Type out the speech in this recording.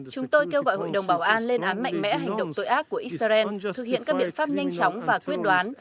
chúng tôi kêu gọi hội đồng bảo an lên án mạnh mẽ hành động tội ác của israel thực hiện các biện pháp nhanh chóng và quyết đoán